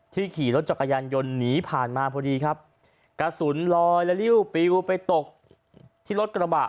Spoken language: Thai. ขี่รถจักรยานยนต์หนีผ่านมาพอดีครับกระสุนลอยและริ้วปิวไปตกที่รถกระบะ